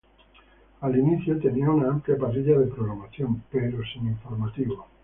Al inicio tenía una amplia parrilla de programación, pero sin informativos.